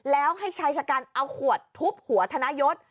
แล้วให้ชายชะกันเอาขวดทุบหัวธนยศ